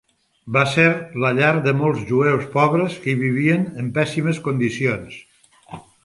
Va ser la llar de molts jueus pobres que hi vivien en pèssimes condicions.